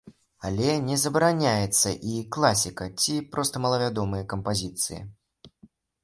Але не забараняецца і класіка, ці проста малавядомыя кампазіцыі.